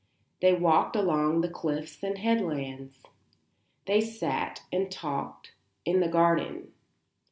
They walked along the cliffs and headlands. They sat and talked in the garden.